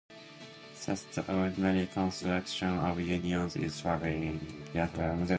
Thus, the ordinary construction of unions is trivial given the axiom of pairing.